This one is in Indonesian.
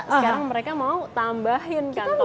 sekarang mereka mau tambahin kantong